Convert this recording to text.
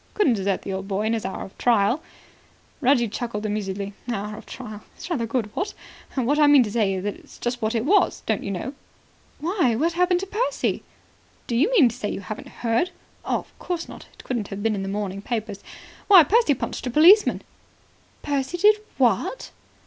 Couldn't desert the old boy in his hour of trial." Reggie chuckled amusedly. "'Hour of trial,' is rather good, what? What I mean to say is, that's just what it was, don't you know." "Why, what happened to Percy?" "Do you mean to say you haven't heard? Of course not. It wouldn't have been in the morning papers. Why, Percy punched a policeman." "Percy did what?"